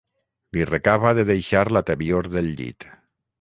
Li recava de deixar la tebior del llit.